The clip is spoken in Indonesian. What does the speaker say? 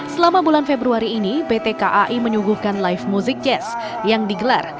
selama bulan februari ini pt kai menyuguhkan live music jazz yang digelar